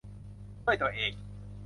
ด้วยตัวเอง